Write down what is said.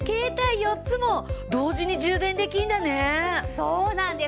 そうなんです！